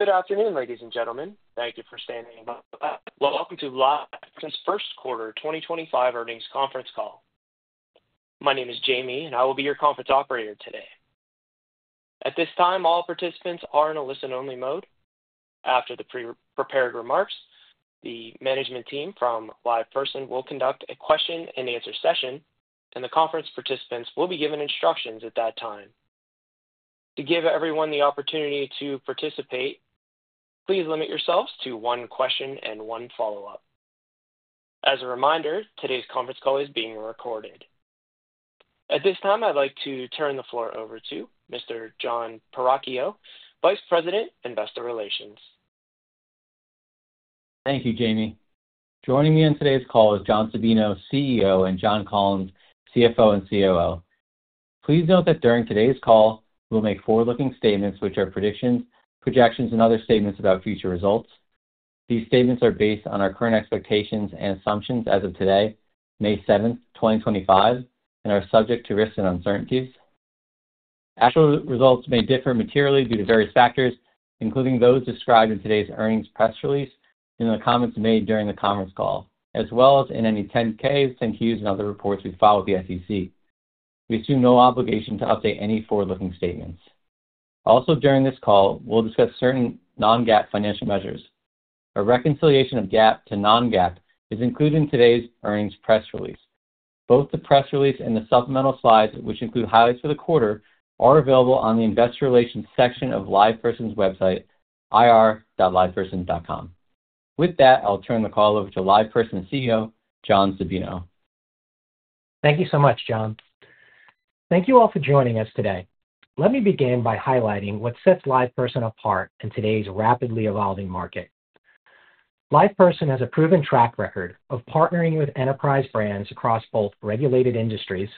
Good afternoon, ladies and gentlemen. Thank you for standing up. Welcome to LivePerson's first quarter 2025 earnings conference call. My name is Jamie, and I will be your conference operator today. At this time, all participants are in a listen-only mode. After the pre-prepared remarks, the management team from LivePerson will conducnnnt a question-and-answer session, and the conference participants will be given instructions at that time. To give everyone the opportunity to participate, please limit yourselves to one question and one follow-up. As a reminder, today's conference call is being recorded. At this time, I'd like to turn the floor over to Mr. Jonathan Perachio, Vice President, Investor Relations. Thank you, Jamie. Joining me on today's call is John Sabino, CEO, and John Collins, CFO and COO. Please note that during today's call, we will make forward-looking statements, which are predictions, projections, and other statements about future results. These statements are based on our current expectations and assumptions as of today, May 7, 2025, and are subject to risks and uncertainties. Actual results may differ materially due to various factors, including those described in today's earnings press release and the comments made during the conference call, as well as in any 10-Ks, 10-Qs, and other reports we file with the SEC. We assume no obligation to update any forward-looking statements. Also, during this call, we'll discuss certain non-GAAP financial measures. A reconciliation of GAAP to non-GAAP is included in today's earnings press release. Both the press release and the supplemental slides, which include highlights for the quarter, are available on the Investor Relations section of LivePerson's website, ir.liveperson.com. With that, I'll turn the call over to LivePerson CEO, John Sabino. Thank you so much, Jonathan. Thank you all for joining us today. Let me begin by highlighting what sets LivePerson apart in today's rapidly evolving market. LivePerson has a proven track record of partnering with enterprise brands across both regulated industries,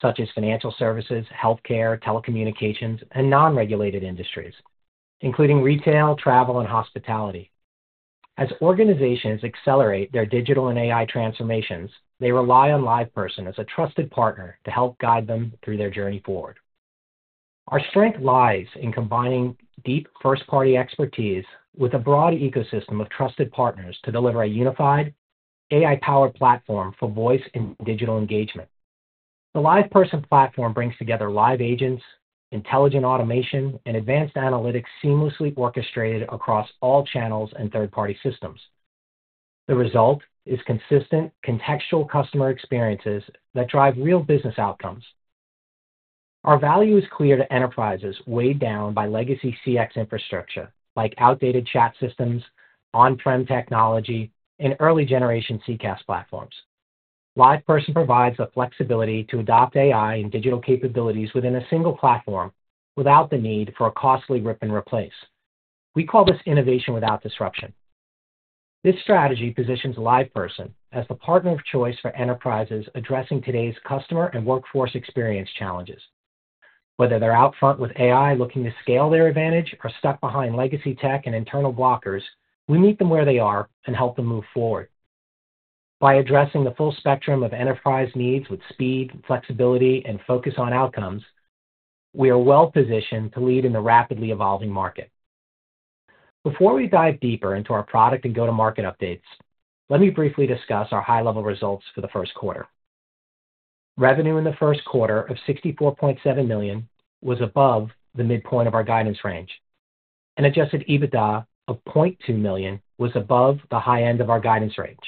such as financial services, healthcare, telecommunications, and non-regulated industries, including retail, travel, and hospitality. As organizations accelerate their digital and AI transformations, they rely on LivePerson as a trusted partner to help guide them through their journey forward. Our strength lies in combining deep first-party expertise with a broad ecosystem of trusted partners to deliver a unified, AI-powered platform for voice and digital engagement. The LivePerson platform brings together live agents, intelligent automation, and advanced analytics seamlessly orchestrated across all channels and third-party systems. The result is consistent, contextual customer experiences that drive real business outcomes. Our value is clear to enterprises, weighed down by legacy CX infrastructure like outdated chat systems, on-prem technology, and early-generation CCaaS platforms. LivePerson provides the flexibility to adopt AI and digital capabilities within a single platform without the need for a costly rip-and-replace. We call this innovation without disruption. This strategy positions LivePerson as the partner of choice for enterprises addressing today's customer and workforce experience challenges. Whether they're out front with AI looking to scale their advantage or stuck behind legacy tech and internal blockers, we meet them where they are and help them move forward. By addressing the full spectrum of enterprise needs with speed, flexibility, and focus on outcomes, we are well-positioned to lead in the rapidly evolving market. Before we dive deeper into our product and go-to-market updates, let me briefly discuss our high-level results for the first quarter. Revenue in the first quarter of $64.7 million was above the midpoint of our guidance range. An adjusted EBITDA of $0.2 million was above the high end of our guidance range.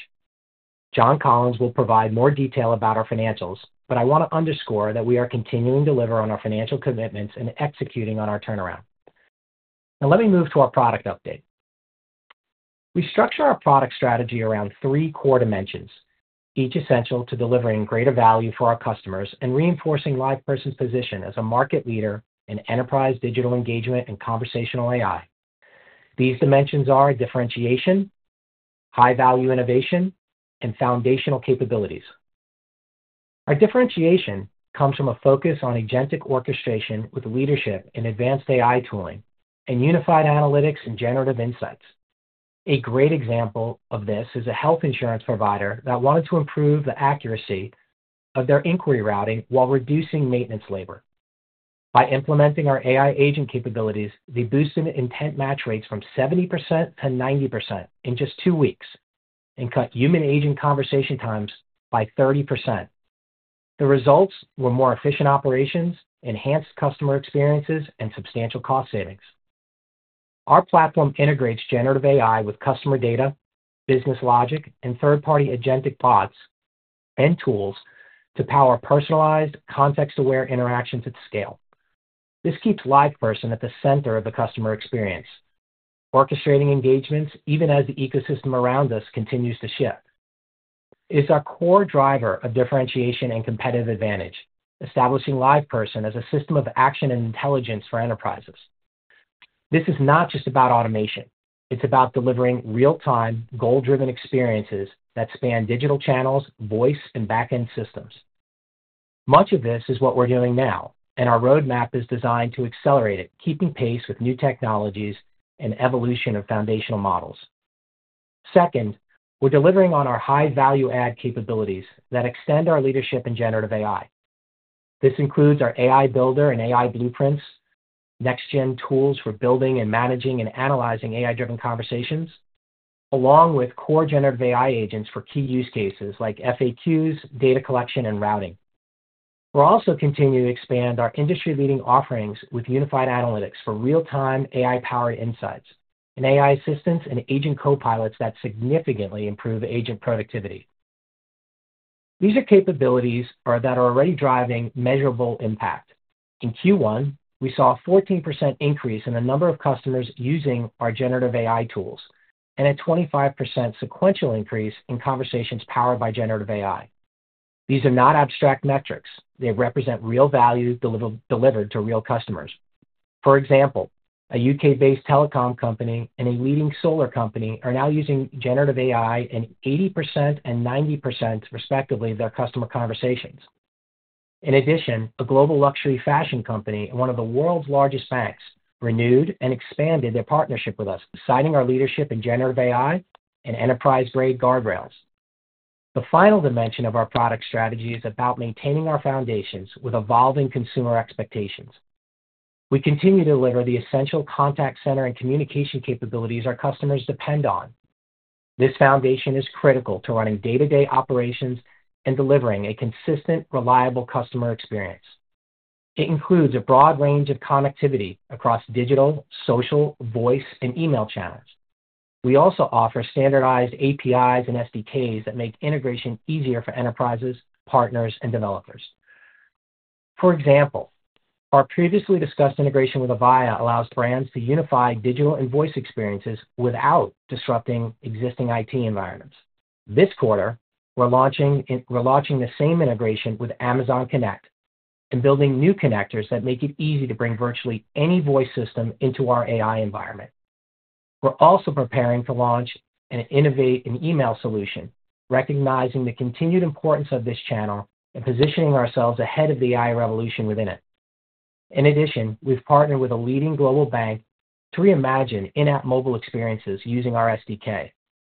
John Collins will provide more detail about our financials, but I want to underscore that we are continuing to deliver on our financial commitments and executing on our turnaround. Now, let me move to our product update. We structure our product strategy around three core dimensions, each essential to delivering greater value for our customers and reinforcing LivePerson's position as a market leader in enterprise digital engagement and conversational AI. These dimensions are differentiation, high-value innovation, and foundational capabilities. Our differentiation comes from a focus on agentic orchestration with leadership and advanced AI tooling and unified analytics and generative insights. A great example of this is a health insurance provider that wanted to improve the accuracy of their inquiry routing while reducing maintenance labor. By implementing our AI agent capabilities, they boosted intent match rates from 70% to 90% in just two weeks and cut human-agent conversation times by 30%. The results were more efficient operations, enhanced customer experiences, and substantial cost savings. Our platform integrates generative AI with customer data, business logic, and third-party agentic pods and tools to power personalized, context-aware interactions at scale. This keeps LivePerson at the center of the customer experience, orchestrating engagements even as the ecosystem around us continues to shift. It is our core driver of differentiation and competitive advantage, establishing LivePerson as a system of action and intelligence for enterprises. This is not just about automation. It's about delivering real-time, goal-driven experiences that span digital channels, voice, and back-end systems. Much of this is what we're doing now, and our roadmap is designed to accelerate it, keeping pace with new technologies and the evolution of foundational models. Second, we're delivering on our high-value add capabilities that extend our leadership in generative AI. This includes our AI Builder and AI Blueprints, next-gen tools for building and managing and analyzing AI-driven conversations, along with core generative AI agents for key use cases like FAQs, data collection, and routing. We're also continuing to expand our industry-leading offerings with Unified Analytics for real-time AI-powered insights and AI assistance and Agent Co-pilots that significantly improve agent productivity. These are capabilities that are already driving measurable impact. In Q1, we saw a 14% increase in the number of customers using our generative AI tools and a 25% sequential increase in conversations powered by generative AI. These are not abstract metrics. They represent real value delivered to real customers. For example, a U.K.-based telecom company and a leading solar company are now using generative AI in 80% and 90%, respectively, of their customer conversations. In addition, a global luxury fashion company and one of the world's largest banks renewed and expanded their partnership with us, citing our leadership in generative AI and enterprise-grade guardrails. The final dimension of our product strategy is about maintaining our foundations with evolving consumer expectations. We continue to deliver the essential contact center and communication capabilities our customers depend on. This foundation is critical to running day-to-day operations and delivering a consistent, reliable customer experience. It includes a broad range of connectivity across digital, social, voice, and email channels. We also offer standardized APIs and SDKs that make integration easier for enterprises, partners, and developers. For example, our previously discussed integration with Avaya allows brands to unify digital and voice experiences without disrupting existing IT environments. This quarter, we're launching the same integration with Amazon Connect and building new connectors that make it easy to bring virtually any voice system into our AI environment. We're also preparing to launch and innovate an email solution, recognizing the continued importance of this channel and positioning ourselves ahead of the AI revolution within it. In addition, we've partnered with a leading global bank to reimagine in-app mobile experiences using our SDK,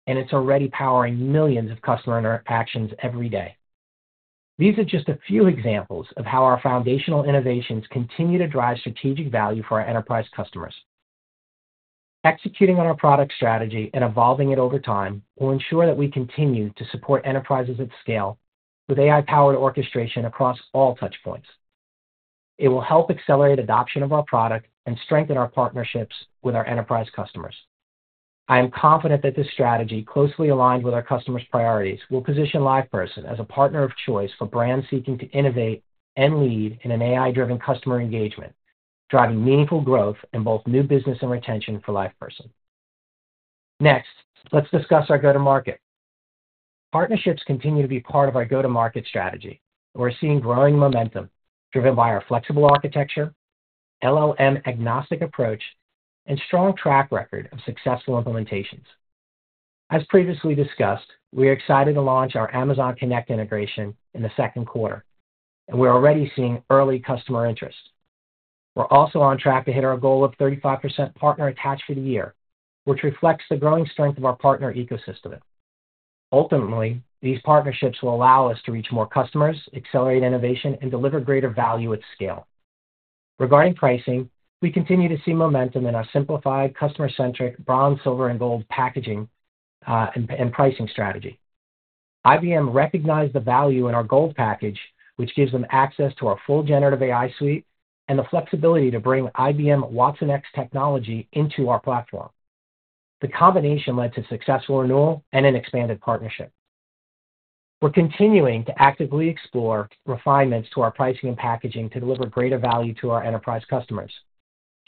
and it's already powering millions of customer interactions every day. These are just a few examples of how our foundational innovations continue to drive strategic value for our enterprise customers. Executing on our product strategy and evolving it over time will ensure that we continue to support enterprises at scale with AI-powered orchestration across all touchpoints. It will help accelerate adoption of our product and strengthen our partnerships with our enterprise customers. I am confident that this strategy, closely aligned with our customers' priorities, will position LivePerson as a partner of choice for brands seeking to innovate and lead in an AI-driven customer engagement, driving meaningful growth in both new business and retention for LivePerson. Next, let's discuss our go-to-market. Partnerships continue to be part of our go-to-market strategy, and we're seeing growing momentum driven by our flexible architecture, LLM-agnostic approach, and strong track record of successful implementations. As previously discussed, we are excited to launch our Amazon Connect integration in the second quarter, and we're already seeing early customer interest. We're also on track to hit our goal of 35% partner attached for the year, which reflects the growing strength of our partner ecosystem. Ultimately, these partnerships will allow us to reach more customers, accelerate innovation, and deliver greater value at scale. Regarding pricing, we continue to see momentum in our simplified, customer-centric bronze, silver, and gold packaging and pricing strategy. IBM recognized the value in our gold package, which gives them access to our full generative AI suite and the flexibility to bring IBM WatsonX technology into our platform. The combination led to successful renewal and an expanded partnership. We're continuing to actively explore refinements to our pricing and packaging to deliver greater value to our enterprise customers.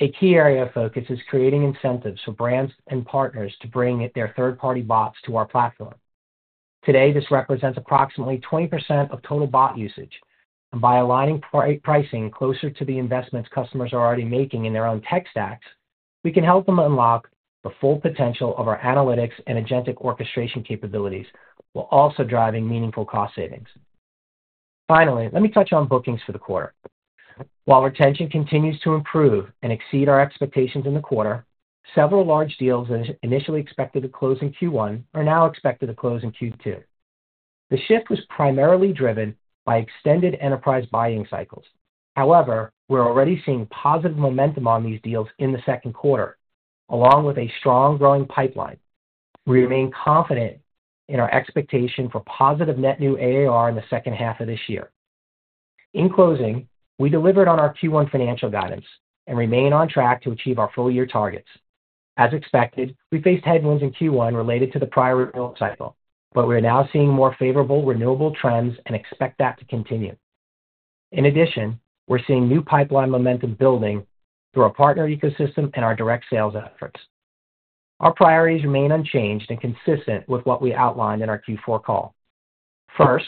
A key area of focus is creating incentives for brands and partners to bring their third-party bots to our platform. Today, this represents approximately 20% of total bot usage. By aligning pricing closer to the investments customers are already making in their own tech stacks, we can help them unlock the full potential of our analytics and agentic orchestration capabilities, while also driving meaningful cost savings. Finally, let me touch on bookings for the quarter. While retention continues to improve and exceed our expectations in the quarter, several large deals initially expected to close in Q1 are now expected to close in Q2. The shift was primarily driven by extended enterprise buying cycles. However, we're already seeing positive momentum on these deals in the second quarter, along with a strong growing pipeline. We remain confident in our expectation for positive net new ARR in the second half of this year. In closing, we delivered on our Q1 financial guidance and remain on track to achieve our full-year targets. As expected, we faced headwinds in Q1 related to the prior growth cycle, but we're now seeing more favorable renewable trends and expect that to continue. In addition, we're seeing new pipeline momentum building through our partner ecosystem and our direct sales efforts. Our priorities remain unchanged and consistent with what we outlined in our Q4 call. First,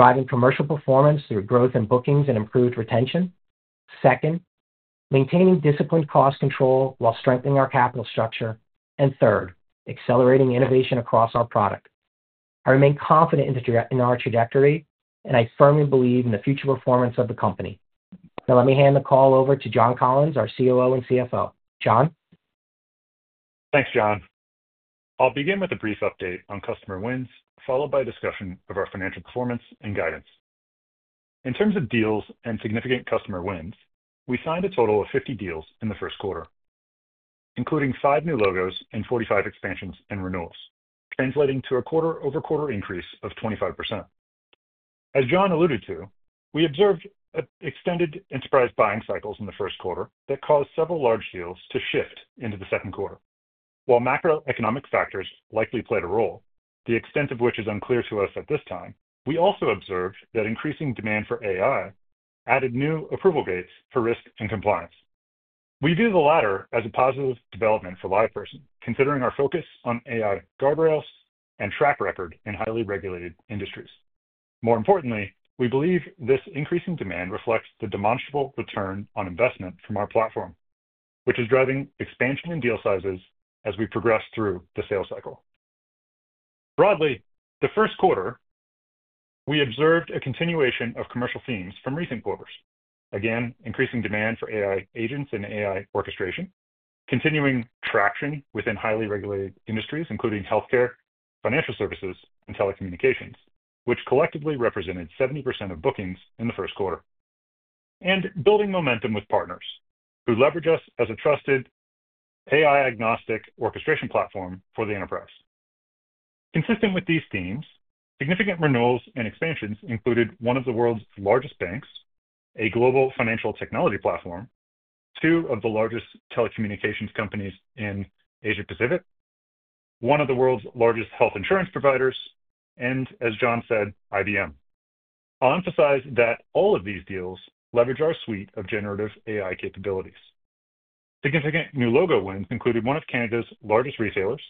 driving commercial performance through growth in bookings and improved retention. Second, maintaining disciplined cost control while strengthening our capital structure. Third, accelerating innovation across our product. I remain confident in our trajectory, and I firmly believe in the future performance of the company. Now, let me hand the call over to John Collins, our COO and CFO. John? Thanks, John. I'll begin with a brief update on customer wins, followed by a discussion of our financial performance and guidance. In terms of deals and significant customer wins, we signed a total of 50 deals in the first quarter, including five new logos and 45 expansions and renewals, translating to a quarter-over-quarter increase of 25%. As John alluded to, we observed extended enterprise buying cycles in the first quarter that caused several large deals to shift into the second quarter. While macroeconomic factors likely played a role, the extent of which is unclear to us at this time, we also observed that increasing demand for AI added new approval gates for risk and compliance. We view the latter as a positive development for LivePerson, considering our focus on AI guardrails and track record in highly regulated industries. More importantly, we believe this increasing demand reflects the demonstrable return on investment from our platform, which is driving expansion in deal sizes as we progress through the sales cycle. Broadly, the first quarter, we observed a continuation of commercial themes from recent quarters. Again, increasing demand for AI agents and AI orchestration, continuing traction within highly regulated industries, including healthcare, financial services, and telecommunications, which collectively represented 70% of bookings in the first quarter, and building momentum with partners who leverage us as a trusted AI-agnostic orchestration platform for the enterprise. Consistent with these themes, significant renewals and expansions included one of the world's largest banks, a global financial technology platform, two of the largest telecommunications companies in Asia-Pacific, one of the world's largest health insurance providers, and, as John said, IBM. I'll emphasize that all of these deals leverage our suite of generative AI capabilities. Significant new logo wins included one of Canada's largest retailers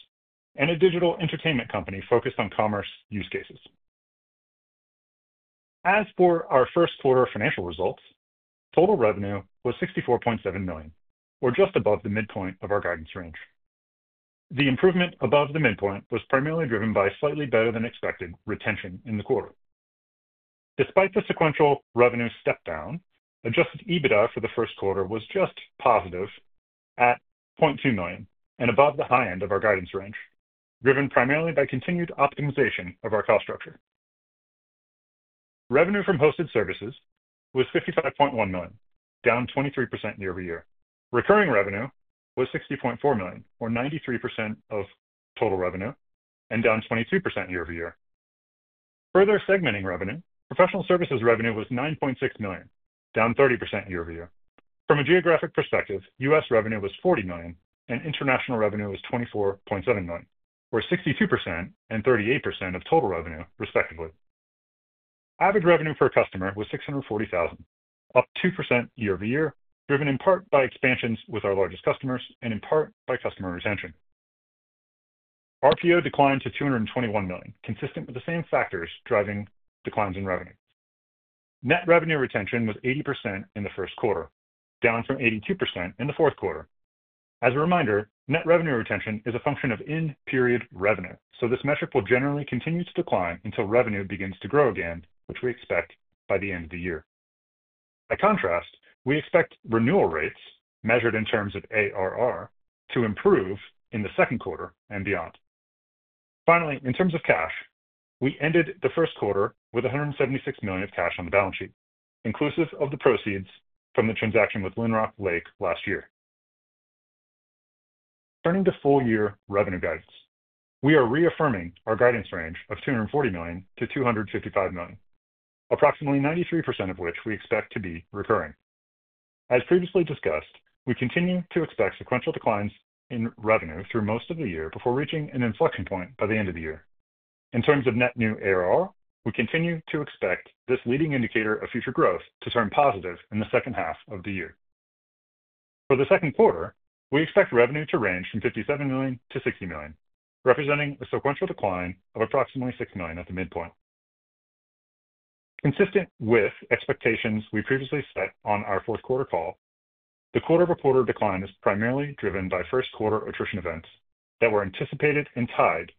and a digital entertainment company focused on commerce use cases. As for our first quarter financial results, total revenue was $64.7 million, or just above the midpoint of our guidance range. The improvement above the midpoint was primarily driven by slightly better-than-expected retention in the quarter. Despite the sequential revenue step-down, adjusted EBITDA for the first quarter was just positive at $0.2 million and above the high end of our guidance range, driven primarily by continued optimization of our cost structure. Revenue from hosted services was $55.1 million, down 23% year-over-year. Recurring revenue was $60.4 million, or 93% of total revenue, and down 22% year-over-year. Further segmenting revenue, professional services revenue was $9.6 million, down 30% year-over-year. From a geographic perspective, US revenue was $40 million, and international revenue was $24.7 million, or 62% and 38% of total revenue, respectively. Average revenue per customer was $640,000, up 2% year-over-year, driven in part by expansions with our largest customers and in part by customer retention. RPO declined to $221 million, consistent with the same factors driving declines in revenue. Net revenue retention was 80% in the first quarter, down from 82% in the fourth quarter. As a reminder, net revenue retention is a function of end-period revenue, so this metric will generally continue to decline until revenue begins to grow again, which we expect by the end of the year. By contrast, we expect renewal rates, measured in terms of ARR, to improve in the second quarter and beyond. Finally, in terms of cash, we ended the first quarter with $176 million of cash on the balance sheet, inclusive of the proceeds from the transaction with Lynrock Lake last year. Turning to full-year revenue guidance, we are reaffirming our guidance range of $240 million-$255 million, approximately 93% of which we expect to be recurring. As previously discussed, we continue to expect sequential declines in revenue through most of the year before reaching an inflection point by the end of the year. In terms of net new ARR, we continue to expect this leading indicator of future growth to turn positive in the second half of the year. For the second quarter, we expect revenue to range from $57 million-$60 million, representing a sequential decline of approximately $6 million at the midpoint. Consistent with expectations we previously set on our fourth quarter call, the quarter-over-quarter decline is primarily driven by first-quarter attrition events that were anticipated and tied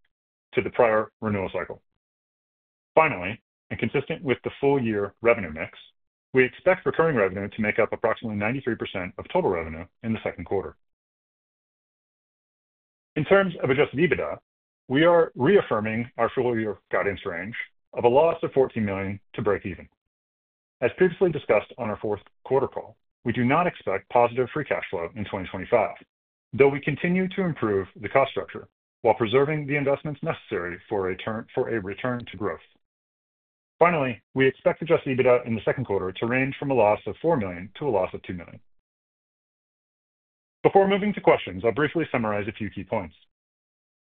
to the prior renewal cycle. Finally, and consistent with the full-year revenue mix, we expect recurring revenue to make up approximately 93% of total revenue in the second quarter. In terms of adjusted EBITDA, we are reaffirming our full-year guidance range of a loss of $14 million to break even. As previously discussed on our fourth quarter call, we do not expect positive free cash flow in 2025, though we continue to improve the cost structure while preserving the investments necessary for a return to growth. Finally, we expect adjusted EBITDA in the second quarter to range from a loss of $4 million to a loss of $2 million. Before moving to questions, I'll briefly summarize a few key points.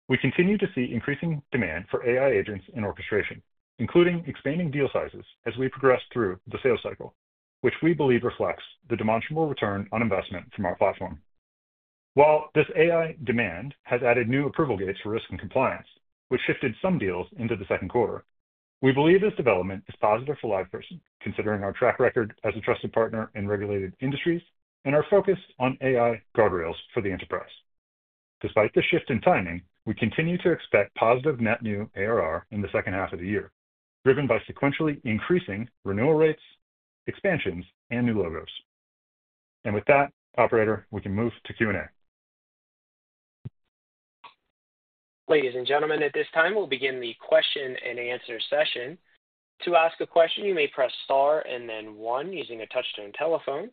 We continue to see increasing demand for AI agents and orchestration, including expanding deal sizes as we progress through the sales cycle, which we believe reflects the demonstrable return on investment from our platform. While this AI demand has added new approval gates for risk and compliance, which shifted some deals into the second quarter, we believe this development is positive for LivePerson, considering our track record as a trusted partner in regulated industries and our focus on AI guardrails for the enterprise. Despite the shift in timing, we continue to expect positive net new ARR in the second half of the year, driven by sequentially increasing renewal rates, expansions, and new logos. With that, Operator, we can move to Q&A. Ladies and gentlemen, at this time, we'll begin the question and answer session. To ask a question, you may press star and then one using a touchstone telephone.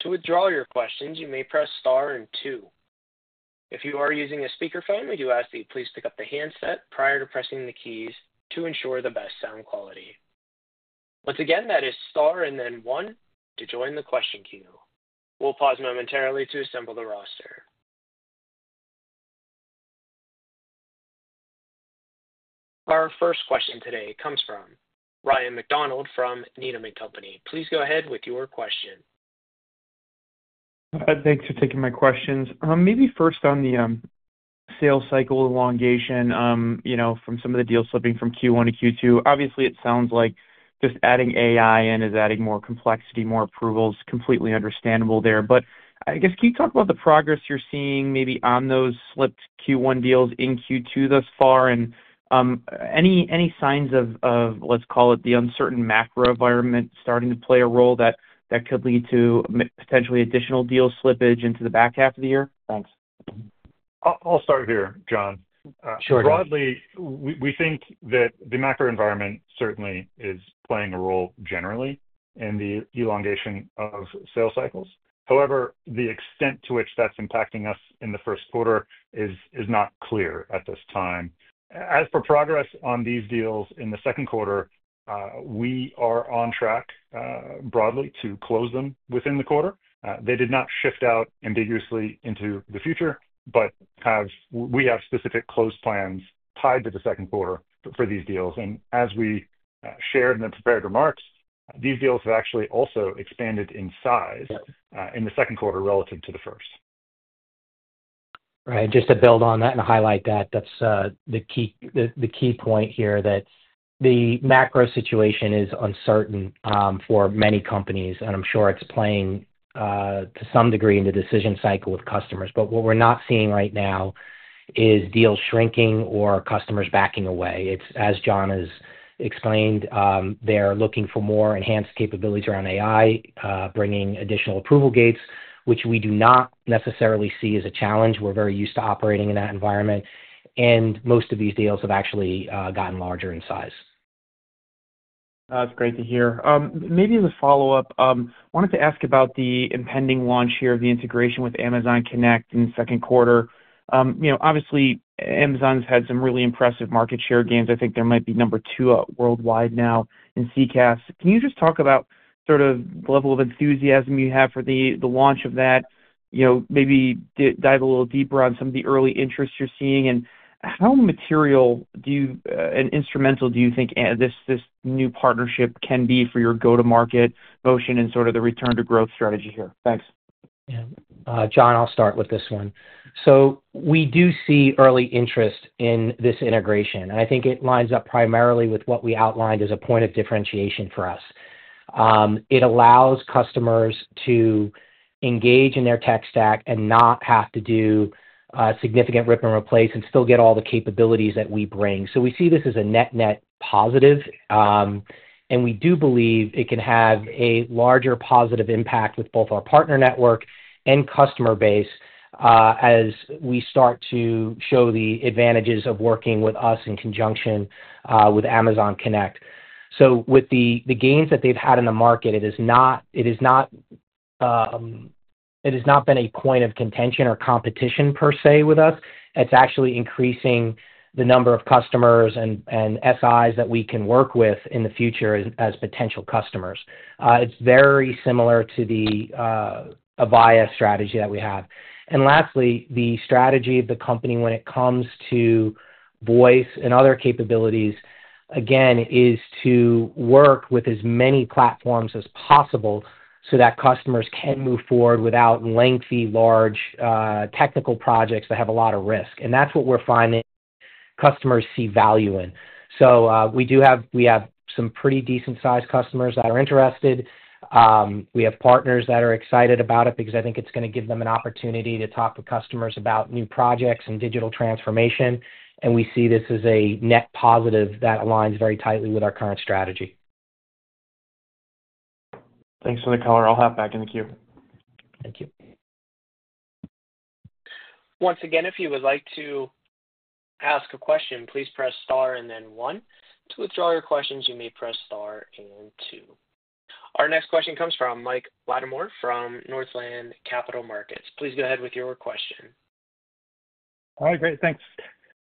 To withdraw your questions, you may press star and to. If you are using a speakerphone, we do ask that you please pick up the handset prior to pressing the keys to ensure the best sound quality. Once again, that is Star and then 1 to join the question queue. We'll pause momentarily to assemble the roster. Our first question today comes from Ryan McDonald from Needham & Company. Please go ahead with your question. Thanks for taking my questions. Maybe first on the sales cycle elongation from some of the deals slipping from Q1 to Q2. Obviously, it sounds like just adding AI in is adding more complexity, more approvals. Completely understandable there. I guess, can you talk about the progress you're seeing maybe on those slipped Q1 deals in Q2 thus far and any signs of, let's call it, the uncertain macro environment starting to play a role that could lead to potentially additional deal slippage into the back half of the year? Thanks. I'll start here, John. Sure. Broadly, we think that the macro environment certainly is playing a role generally in the elongation of sales cycles. However, the extent to which that's impacting us in the first quarter is not clear at this time. As for progress on these deals in the second quarter, we are on track broadly to close them within the quarter. They did not shift out ambiguously into the future, but we have specific close plans tied to the second quarter for these deals. As we shared in the prepared remarks, these deals have actually also expanded in size in the second quarter relative to the first. Right. Just to build on that and highlight that, that's the key point here that the macro situation is uncertain for many companies, and I'm sure it's playing to some degree in the decision cycle with customers. What we're not seeing right now is deals shrinking or customers backing away. As John has explained, they're looking for more enhanced capabilities around AI, bringing additional approval gates, which we do not necessarily see as a challenge. We're very used to operating in that environment, and most of these deals have actually gotten larger in size. That's great to hear. Maybe as a follow-up, I wanted to ask about the impending launch here of the integration with Amazon Connect in the second quarter. Obviously, Amazon's had some really impressive market share gains. I think they might be number two worldwide now in CCaaS. Can you just talk about sort of the level of enthusiasm you have for the launch of that? Maybe dive a little deeper on some of the early interests you're seeing. How material and instrumental do you think this new partnership can be for your go-to-market motion and sort of the return-to-growth strategy here? Thanks. John, I'll start with this one. We do see early interest in this integration, and I think it lines up primarily with what we outlined as a point of differentiation for us. It allows customers to engage in their tech stack and not have to do significant rip and replace and still get all the capabilities that we bring. We see this as a net-net positive, and we do believe it can have a larger positive impact with both our partner network and customer base as we start to show the advantages of working with us in conjunction with Amazon Connect. With the gains that they've had in the market, it has not been a point of contention or competition per se with us. It's actually increasing the number of customers and SIs that we can work with in the future as potential customers. It's very similar to the Avaya strategy that we have. Lastly, the strategy of the company when it comes to voice and other capabilities, again, is to work with as many platforms as possible so that customers can move forward without lengthy, large technical projects that have a lot of risk. That's what we're finding customers see value in. We have some pretty decent-sized customers that are interested. We have partners that are excited about it because I think it's going to give them an opportunity to talk to customers about new projects and digital transformation. We see this as a net positive that aligns very tightly with our current strategy. Thanks for the color. I'll hop back in the queue. Thank you. Once again, if you would like to ask a question, please press Star and then 1. To withdraw your questions, you may press star and two. Our next question comes from Mike Latimore from Northland Capital Markets. Please go ahead with your question. All right. Great. Thanks.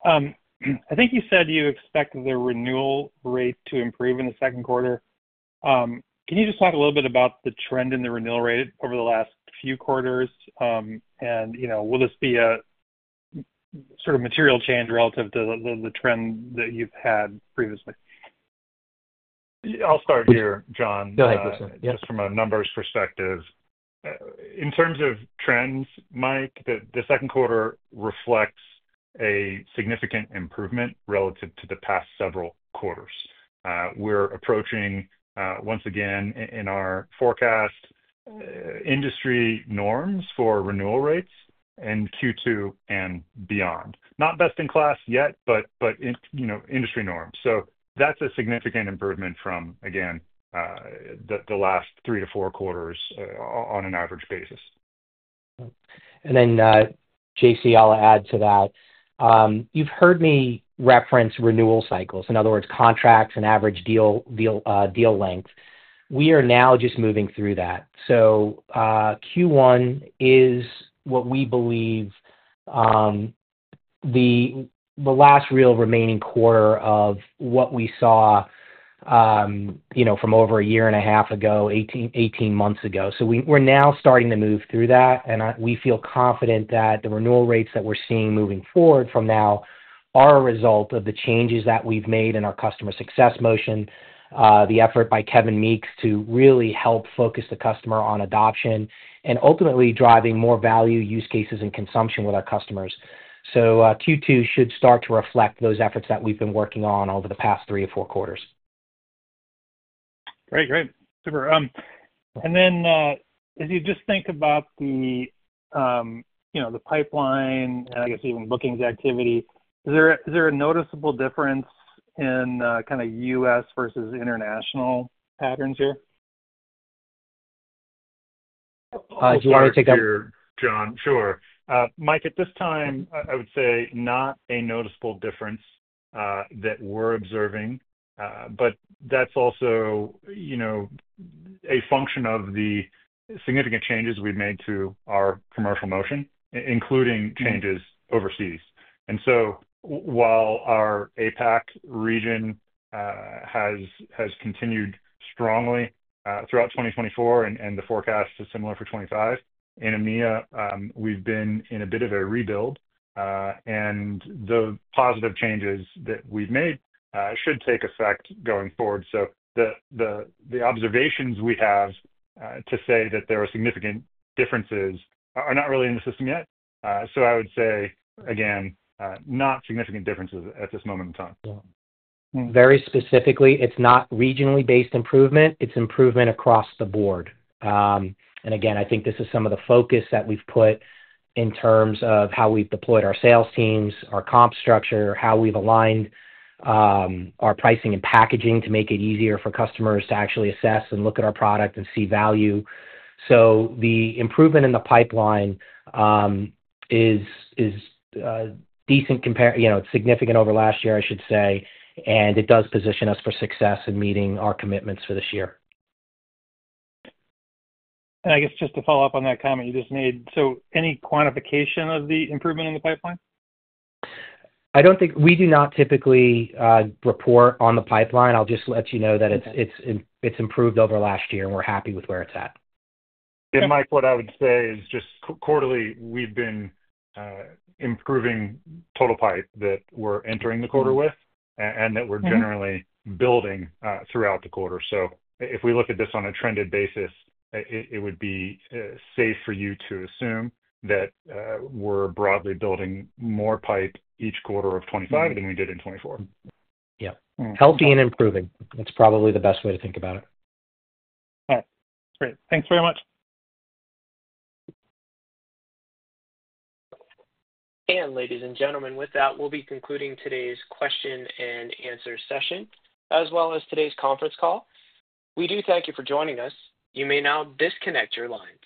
I think you said you expect the renewal rate to improve in the second quarter. Can you just talk a little bit about the trend in the renewal rate over the last few quarters? Will this be a sort of material change relative to the trend that you've had previously? I'll start here, John. Go ahead, listen. Just from a numbers perspective, in terms of trends, Mike, the second quarter reflects a significant improvement relative to the past several quarters. We're approaching, once again, in our forecast, industry norms for renewal rates in Q2 and beyond. Not best in class yet, but industry norms. That's a significant improvement from, again, the last three to four quarters on an average basis. JC, I'll add to that. You've heard me reference renewal cycles. In other words, contracts and average deal length. We are now just moving through that. Q1 is what we believe the last real remaining quarter of what we saw from over a year and a half ago, 18 months ago. We're now starting to move through that, and we feel confident that the renewal rates that we're seeing moving forward from now are a result of the changes that we've made in our customer success motion, the effort by Kevin Meeks to really help focus the customer on adoption, and ultimately driving more value use cases and consumption with our customers. Q2 should start to reflect those efforts that we've been working on over the past three or four quarters. Great. Great. Super. If you just think about the pipeline and, I guess, even bookings activity, is there a noticeable difference in kind of US versus international patterns here? Do you want to take that? John, sure. Mike, at this time, I would say not a noticeable difference that we're observing, but that's also a function of the significant changes we've made to our commercial motion, including changes overseas. While our APAC region has continued strongly throughout 2024, and the forecast is similar for 2025, in EMEA, we've been in a bit of a rebuild. The positive changes that we've made should take effect going forward. The observations we have to say that there are significant differences are not really in the system yet. I would say, again, not significant differences at this moment in time. Very specifically, it's not regionally based improvement. It's improvement across the board. I think this is some of the focus that we've put in terms of how we've deployed our sales teams, our comp structure, how we've aligned our pricing and packaging to make it easier for customers to actually assess and look at our product and see value. The improvement in the pipeline is decent compared to significant over last year, I should say. It does position us for success in meeting our commitments for this year. I guess just to follow up on that comment you just made, any quantification of the improvement in the pipeline? We do not typically report on the pipeline. I'll just let you know that it's improved over last year, and we're happy with where it's at. Mike, what I would say is just quarterly, we've been improving total pipe that we're entering the quarter with and that we're generally building throughout the quarter. If we look at this on a trended basis, it would be safe for you to assume that we're broadly building more pipe each quarter of 2025 than we did in 2024. Yep. Healthy and improving. That's probably the best way to think about it. All right. Great. Thanks very much. Ladies and gentlemen, with that, we'll be concluding today's question and answer session as well as today's conference call. We do thank you for joining us. You may now disconnect your lines.